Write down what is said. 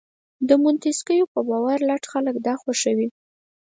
د مونتیسکیو په باور لټ خلک دا خوښوي.